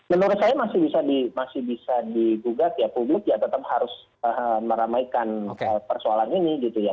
menurut saya masih bisa digugat ya publik ya tetap harus meramaikan persoalan ini gitu ya